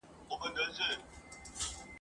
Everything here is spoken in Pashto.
نوم به مي نه ستا نه د زمان په زړه کي پاته وي !.